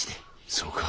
そうか。